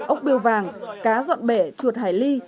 ốc biêu vàng cá dọn bể chuột hải ly